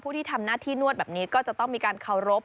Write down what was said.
ที่ทำหน้าที่นวดแบบนี้ก็จะต้องมีการเคารพ